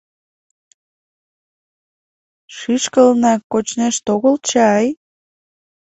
Шӱшкылынак кочнешт огыл чай?